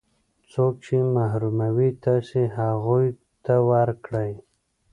څوک چې محروموي تاسې هغو ته ورکړئ.